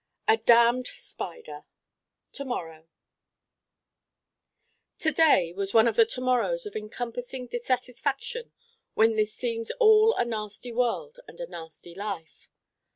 A damned spider To morrow To day was one of the To morrows of encompassing dissatisfaction when this seems all a nasty world and a nasty life.